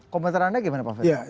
komentarnya bagaimana pak fidaus